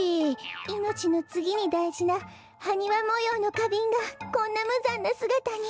いのちのつぎにだいじなはにわもようのかびんがこんなむざんなすがたに。